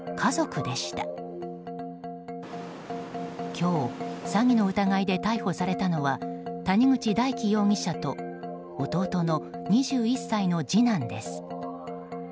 今日、詐欺の疑いで逮捕されたのは谷口大祈容疑者と弟の２１歳の次男です。